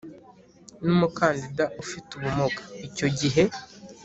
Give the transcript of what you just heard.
N umukandida ufite ubumuga icyo gihe